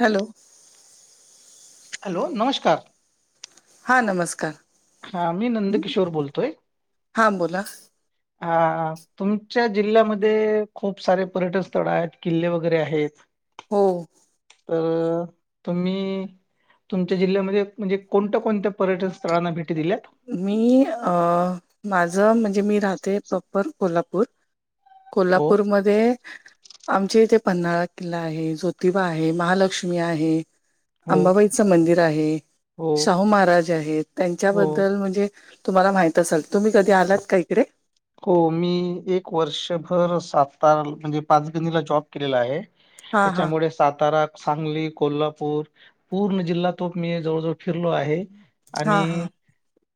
Hello. Hello, नमस्कार. हा नमस्कार. हा मी नंदकिशोर बोलतोय. हा बोला हा, तुमच्या जिल्ह्यामध्ये खूप सारे पर्यटन स्थळ आहेत, किल्ले वगैरे आहेत. [inaudible] हो. अ तुम्ही तुमच्या जिल्ह्यामध्ये म्हणजे कोणत्या, कोणत्या पर्यटन स्थळांना भेटी दिल्यात? मी अ, माझ म्हणजे मी राहते प्रॉपर कोल्हापूर. हो कोल्हापूरमध्ये- आमचे इथे पन्हाळा किल्ला आहे, ज्योतिबा आहे, महालक्ष्मी आहे. हो अंबाबाईचं मंदिर आहे, हो शाहू महाराज आहेत, हो त्यांच्याबद्- म्हणजे तुम्हाला माहित असेल, तुम्ही कधी आलात का इकडे? हो, मी एक वर्षभर सातार म्हणजे पाचगणीला जॉब केलेला आहे. हा हा त्याच्यामुळे सातारा, सांगली, कोल्हापूर, पूर्ण जिल्हा तो मी जवळ जवळ फिरलो आहे. हा हा आणि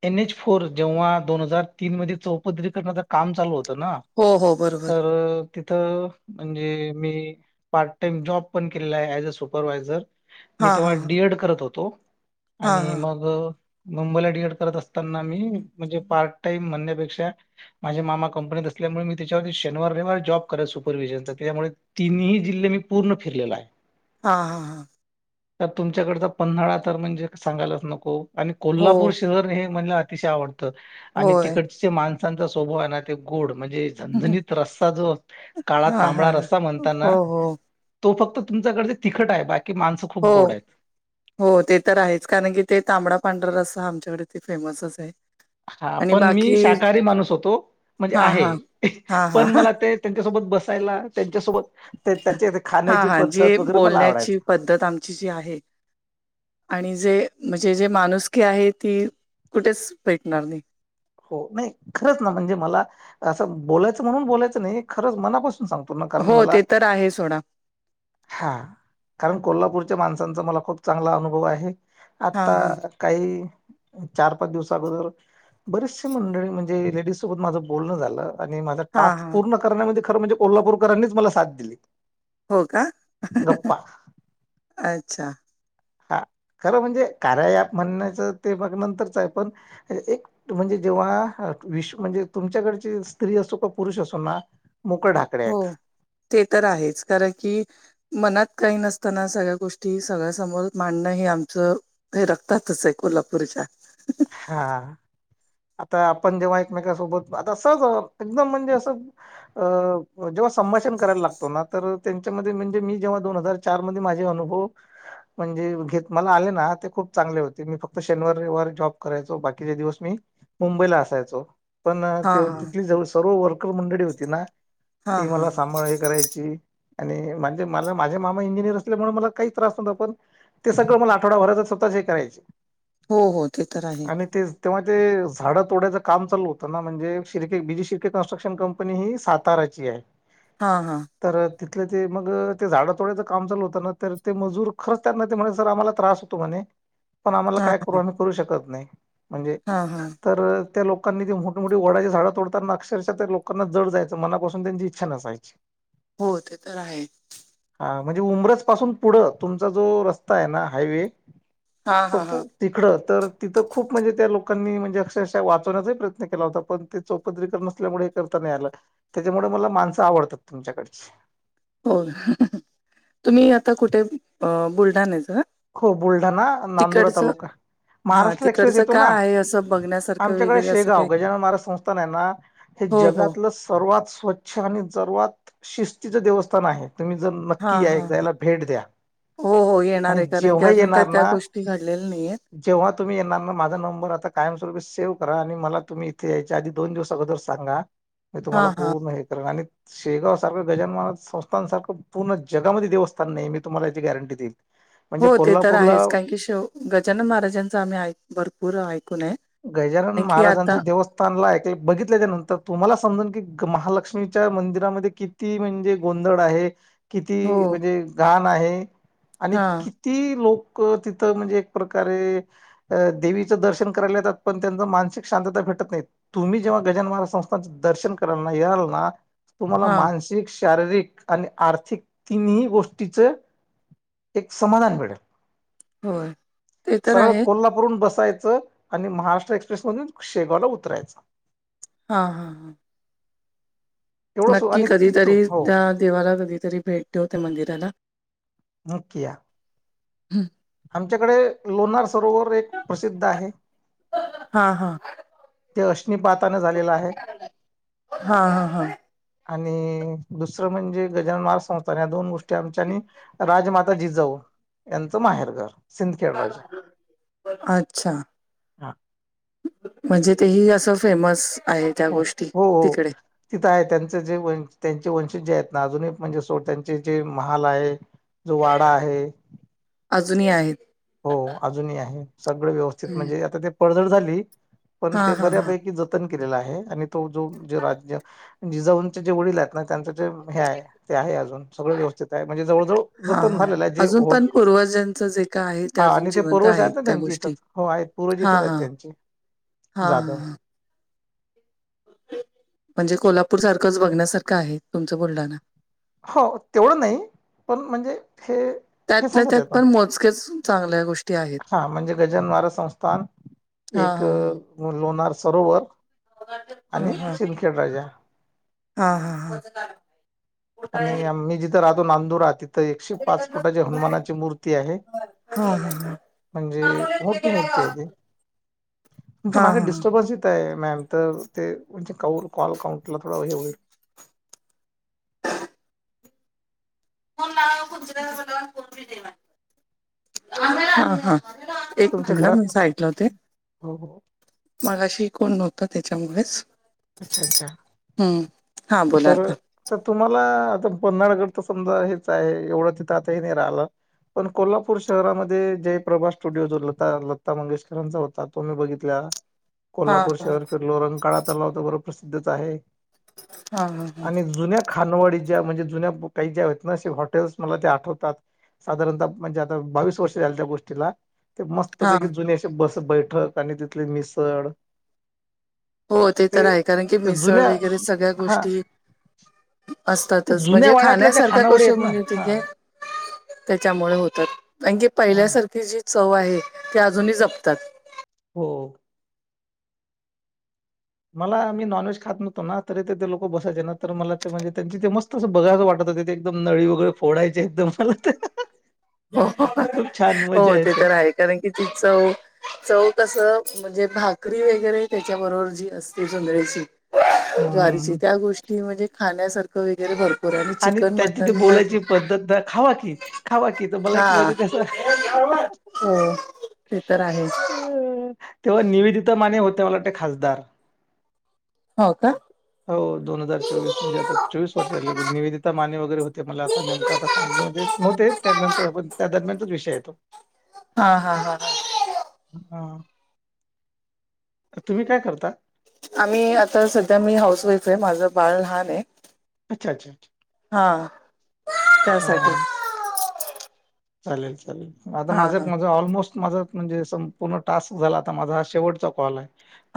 एन एच फोर, जेव्हा दोन हजार तीन मध्ये चौपदरी काम चालू होत ना, हो हो बरोबर तर तिथं, म्हणजे मी पार्ट टाइम जॉब पण केलेला आहे, ए्ज अ सुपरवा्हायझर. मी हा हा तेव्हा हा डी एड करत होतो, हा आणि हा मग मुंबईला डि एड करत असताना मी, म्हणजे पार्ट टाइम म्हणण्यापेक्षा माझे मामा कंपनीत असल्यामुळे मी त्याच्यावरती शनीवार रविवार जॉब करायचो सुपरव्हिजनचा त्याच्यामुळे- तिनही जिल्हे मी पूर्ण फिरलेला आहे. हा हा हां. त्यात तुमच्याकडचा पन्हाळा तर म्हणजे सांगायलाच नको. आणि हो कोल्हापूर शहर हे मला अतिशय आवडतं, आणि होय तिकडचे माणसऽ माणसांचा स्वभाव आहे ना ते गोड,, म्हणजेऽ झनझणीत रस्सा जो, काळा हा हा तांबळा हा. रस्सा म्हणता ना. हो हो तो फक्त तुमच्याकडं तिखट आहे, बाकी माणस हो, हो, ते तर आहेच, कारण की ते तांबडा पांढरा रस्सा असा आमच्याकडे ते फेमसच आहे. हा, आणि पण बाकी मी शाकाहारी माणूस होतो, म्हणजे हा आहे, हा हा हा पण मला तेऽ त्यांच्यासोबत बसायला, त्यांच्यासोबत त्यांच्ये हा खाण्याची हा जे पद्धत वगैरे मला आवडायच. बोलण्याची पद्धत आ ची जी आहे. आणि जे, म्हणजे जे माणुसकीे आहे ती, कुठेच भेटणार नाही. हो, नाही खरंच ना, म्हणजे मला असं बोलायचं म्हणून बोलायचं नाही, खरंच मनापासून सांगतो. कारण हो मला ते तर आहे सोडा हा, कारण कोल्हापूरच्या माणसांचा मला खूप चांगला अनुभव आहे. हा आता हा काही, चार पाच दिवसा आगोदर बरेचसशी मंडळी म्हणजे लेडीज सोबत माझं बोलणं झालं, आणि माझा हा टास्क हा पूर्ण रण्या मधे खरं म्हणजे कोल्हापूरकरांनीच मला साथ दिली. हो का? गप्पा अच्छा! हा, खरं म्हणजे कार्या ॲप म्हणण्याचं ते मग नंतरच आहे, पण एक म्हणजे जेव्हा, विश म्हणजे तुमच्याकडचे स्त्री असो कख पुरुष असो ना मोकळ डाक हो, ते तर आहेच, कारण की मनात काही नसताना, सगळ्या गोष्टी सगळ्यासमोर मांडणं, हे आमचं हे रक्तातच आहे कोल्हापूरच्या. हा. आता आपण जेव्हा एकमेकसोबत, आता सहजच एकदम म्हणजे असं अ जेव्हा संभाषण करायला लागतो ना तर, त्यांच्यामध्ये म्हणजे मी जेव्हा दोन हजार- चार मध्ये माझे अनुभव म्हणजे घेत मला आले ना, ते खूप चांगले होते. मी फक्त शनिवार वार जॉब करायचो, बाकीचे दिवस मी मुंबईला असायचो, पण हा ते हा तिथली जवळ सर्व वर्कर मंडळी होती ना- हा ते हा मला हा सांभाळ हे करायची. आणि, म्हणजे, मला माझे मामा इंजिनिअर असले म्हणून मला काहीच त्रास नव्हता, पण ते सगळं मला आठवडाभरतच स्वतःच हे करायचे, हो हो ते तर आहे. आणि ते तेव्हा ते झाडं तोडाचं काम चालू होतं ना, म्हणजे Shirke BG Shirke construction company ही साताराची आहे. [inaudible] हा हा‌. तर तिथले ते मग ते झाड तोड्याचं काम चालू होत ना, तर ते मजूर खरंच त्याना ते म्हणा सर आम्हाला- त्रास होतो म्हणे, पण आम्हाला हां, काय कर आम्ही करू शकत नाही. म्हणजे हां हां. तर त्या लोकांनी ती मोठमोठी वडाची झाडं तोडताना, अक्षरशः लोकना जड जायचं. मनापासून त्यांची इच्छा नसायची. [inaudible] हो, ते तर आहे‌. हा म्हणजे उब्रंज पासून पुढं, तुमचा जो रस्ता आहे ना हायवे हां, हां, हां. तिकड तर तिथं खूप म्हणजे त्या लोकांनी म्हणजे अक्षरशः वाचण्याचा प्रयत्न केला होता. पण ते चौपदरीकरण नसल्यामुळे हे करता नाही आलं‌ काय. त्यांच्यामुळे मला माणसं आवडतात तुमच्याकडची. हो तुम्ही आता कुठे बुलढाणा च. हो बुलढाणा नांदुरा तालुका. हां, महाराष्ट्र एक्सप्रेस तिकडचं येतो ना, काय आहे असं बघण्यासारखं आमच्याकडे वगैरे असं शेगाव काही? गजानन महाराज संस्थान आहे ना. हे हो, हो. जगातलं सर्वात स्वच्छ अच्छा आणि सर्वात शिस्तीचं देवस्थान आहे तुम्ही जर नक्की हां, या हां. एकदा याला भेट द्या‌. हो हो येणार आहे कारण की अजून काही त्या ना गोष्टी घडलेल्या नाहीत. जेव्हा तुम्ही येणार ना, माझा नंबर आता कायमस्वरूपी सेव्ह करा. आणि मला तुम्ही इथे यायच्या आधी दोन दिवस अगोदर सांगा मी तुम्हाला हां, हां. पूर्ण हे कर आणि शेगाव सारखं गजान महाराज संस्थान सारखं पूर्ण जगामध्ये देवस्थान नाही मी तुम्हाला याची गॅरंटी देईल‌. हो ते तर आहेच, कारण की शेव गजानन महाराजांच आम्ही भरपूर ऐकून आहे. गजानन कारण की आता महाराजांचं देवस्थान ऐक बघितल्याच्या नंतर तुम्हाला समजून की महालक्ष्मीच्या मंदिरामध्ये किती किती म्हणजे गोंधळ आहे, हो. किती म्हणजे घाण आहे, आणि हां, कि- ती लोक तिथं म्हणजे एक प्रकारे अ देवीचं दर्शन- येतात पण त्यां मानसिक शांतता भेटत नाही. तुम्ही जेव्हा गजानन महाराज संस्थांचं दर्शन कराल ना याल ना. तुम्हाला हां. मानसिक शारीरिक आणि आर्थिक तिन्ही गोष्टीच एक समाधान मिळेल. होय. ते तर सरळ आहे. कोल्हापूरून बसायचं- आणि महाराष्ट्र एक्सप्रेस मधून शेगावला उतरायच. हा हा हां. एवढं सो नक्की आणि कधीतरी तिथून हो त्या देवाला कधीतरी भेट देऊ त्या मंदिराला. नक्की या. हम. आमच्याकडे लोणार सरोवर एक प्रसिद्ध आहे. हा हा. ते अश्निपातनें झालेलं आहे. हा हा हा आणि दुसरं म्हणजे गजानन महाराज संस्थान या दोन गोष्टी- आमच्या आणि राजमाता जिजाऊ यांचं माहेरघर. सिंदखेड राजा [inaudible] अच्छा! हा म्हणजे तेही असं फेमस आहे त्या हो गोष्टी हो हो. तिकडे तिथं आहे त्यांच जे त्यांचे वंशज जे आहेत ना अजूनही म्हणजे सो त्यांचे जे महाल आहेत. जो वाडा आहे. अजूनही आहेत. हो अजूनही आहेत, सगळं व्यवस्थित हम्म. म्हणजे आता ते पडझड झाली पण हा ते हा हा बऱ्यापैकी ज- तन केलेला आहे, आणि तो जो ज जिजाऊचे जे वडील आहेत ना, त्यां- हे आहे, ते आहे, अजून सगळ व्यवस्थित आहे. म्हणजे जवळ जवळ जतन झालेलं आहे जे होन. पुर्वजांच जे काय आहेत, हा आणि ते पूर्वज आहेत ना त्यांची इथं, हो आहेत पूर्वज हा इथंच आहेत हा त्यांचे, हा हा जाधव. हा म्हणजे कोल्हापूर सारखंच बघण्यासारखं आहे, तुमचं बुलढाना. हो, तेवढं नाही. पण म्हणजे हे, हे त्यातल्या सांगत त्यात आहेेत ना. पण मोजकेच चांगल्या गोष्टी आहेत हा म्हणजे गजानन महाराज संस्थान, हा एक हा लोणार सरोवर, हा आणि हा सिंदखेड राजा. हा हा हां. आणि मी जिथ राहतो नांदुरा तिथ एकशे पाच फुटाची हनुमानाची मूर्ती आहे. हां म्हणजे मोठी मूर्ती आहे ती, तुमच्या हा मागे हा डिस्टर्बनस आहे. आहे मॅम तर ते म्हणजे कौल कॉल काउंटला थोड हे होईल. हां हां. एक तुमच्या मीनीट हं मी घरात साईडला होते, हो हो मगाशी कोण नव्हत त्याच्यामुळेच. अच्छा अच्छा हम्म, हा बोला तर आता. तर तुम्हाला आता पन्हाळगड तर समजा हेच आहे, एवढ तिथ आता हे नाही राहिल. पण कोल्हापूर शहरामध्ये जयप्रभा स्टुडिओ जो लता लता मंगेशकरांचा होता तो मी बघितलेला. हा कोल्हापूर हा शहर फिरलो, रंकाळा तलाव तर बर प्रसिद्धच आहे. हा हा आणि जुन्या खानवळी ज्या म्हणजे जुन्या काही ज्या आहेत ना असे हॉटेलस् मला ते आठवतात. साधारणतः म्हणजे आता बावीस वर्ष झाले त्या गोष्टीला. ते हा मस्तपैकी जुनी असे बस बैठक, आणि तिथली मिसळ. हो, ते तर आहे कारण की ते मिसळ जुन्या वगैरे सगळ्या हा गोष्टी, ते असतातच, जुन्या म्हणजे वाड्यातल्या ज्या खाण्यासारख्या खानावळी कशा आहेत ना म्हणे हा तिथे. त्याच्यामुळे होतात, [unintelligible] की हा पहिल्यासारखी जी चव आहे, ते अजूनही जपतात. हो, मला मी नॉनव्हेज खात नव्हतो ना, तरी ते लोक बसायचे नंतर मला ते म्हणजे त्यांची ते मस्त तस बघायच वाटत ते, ते एकदम नळी वगैरे फोडायचे एकदम [unintelligible] हो, खूप छान मजा हो ते यायची तर आहे कारण की ति चव चव कस, म्हणजे भाकरी वगैरे त्याच्या बरोबर जी असते जोंधळ्याची. हम्म. ज्वारीची, त्या गोष्टी म्हणजे खाण्यासारख वगैरे भरपूर. आहे आणि चिकन त्यांची ती मटन बोलायची पद्धत ना, खावा की खावा कि. हा, हो ते तर आहेच. तेव्हा निवेदिता माने होत्या मला वाटते खासदार. हो का? हो दोन हजार चोवीस म्हणजे आता चोवीस वर्षात निवेदिता माने वगैरे होते मला अस नेमक आता सांगन म्हणजे नव्हते त्यानंतरण त्या दरम्यानच विषय आहे तो. हा हां हां हां. हा, तुम्ही काय करता? आम्ही, आता सध्या मी हाऊस वाईफ आहे, माझ बाळ लहान आहे. अच्छा अच्छा हां, त्यासाठी हा चालेल, चालेल. आता हा हा माझ्यात, माझ ऑलमोस्ट माझ म्हणजे, संपूर्ण टास्क झाला आता माझा हा शेवटचा कॉल आहे.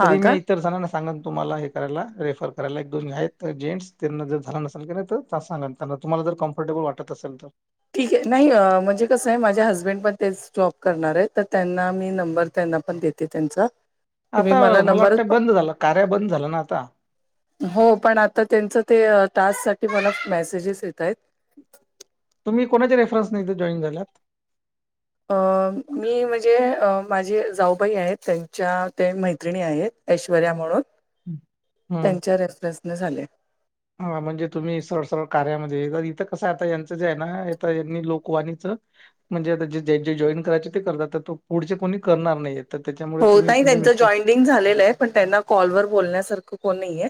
हा मी का इतर जणांना सांगन तुम्हाला हे करायला, रेफर करायला. एक-दोन आहेत ना जेंट्स, त्यांना जर झाल नसेल की तर सांगन. हे पहा, तुम्हाला जर कम्फर्टेबल वाटत असेल तर. ठीक आहे, नाही म्हणजे कसय आहे माझ्या हसबेंड पण तेच जॉब करणार आहे तर त्यांना मी नंबर त्यांना पण देतऽ ते त्यांचा. तुम्ही आता मला नंबर वाटतय, बंद झाल कार्य. बंद झाल ना आता हो. पण आता त्यांचं ते टास्क साठी, मला मेसेजेस येत आहेत. तुम्ही कोणाच्या रेफ्रन्सने, इथं जॉईन झाल्यात? अं.. मी म्हणजे माझे जाऊबाई आहेत, त्यांच्या ते मैत्रिणी आहेत ऐश्वर्या म्हणून, हम्म त्यांच्या रेफरन्सने झाले. हा म्हणजे तुम्ही सरळ-सरळ कार्या मध्ये, इथं कसं आता यांचं जे आहे ना इथं यांनी लोकवाणीचं म्हणजे आता जे ज जे जॉईन करायचे ते करतात. तर तो पुढचे कोणी करणार नाहीयेत, तर त्याच्यामुळे तुम्ही तुमचे मिस्टर लिंक झालेलं आहे, पण त्यांना कॉल वर बोलण्यासारखं कोण नाहीये.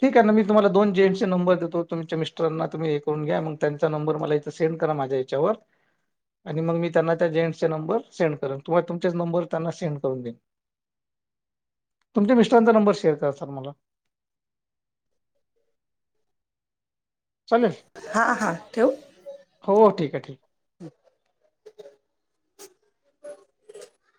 ठीक आहे ना, मी तुम्हाला दोन जेंट्स चे नंबर देतो. तुमच्या मिस्टरांना तुम्ही हे करून घ्या. मग त्यांचा नंबर, मला इथं सेंड करा. माझ्या च्या वर आणि मग मी त्यांना, त्या जेंट्सचे नंबर सेंड करन. तुम्हा, तुमचेच नंबर त्यांना सेंड करून देईन. तुमच्या मिस्टरांचा नंबर शेअर करा सर मला. चालेल. हां.. हां ठेवू? हो ठीक आहे, ठीक आहे.